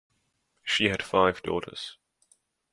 She had five daughters.